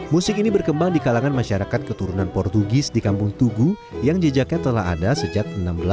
musik ini berkembang di kalangan masyarakat keturunan portugis di kampung tugu yang jejaknya telah ada sejak seribu enam ratus delapan puluh